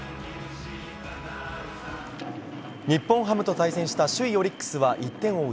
日本ハムと対戦した首位オリックスは１点を追う